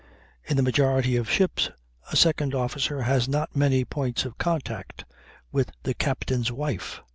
In the majority of ships a second officer has not many points of contact with the captain's wife.